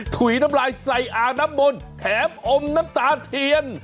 ถุยน้ำลายใส่อ่างน้ำมนต์แถมอมน้ำตาเทียน